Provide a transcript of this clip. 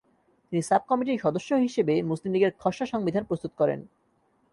তিনি সাব-কমিটির সদস্য হিসেবে মুসলিম লীগের খসড়া সংবিধান প্রস্তুত করেন।